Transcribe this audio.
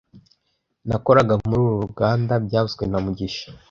Nakoraga muri uru ruganda byavuzwe na mugisha